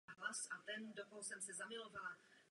Dvě strany ve volbách ztratily podstatný počet hlasů.